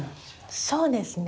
そうですね。